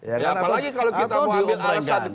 apalagi kalau kita mau ambil alasan